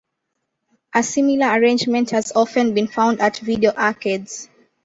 A similar arrangement has often been found at video arcades.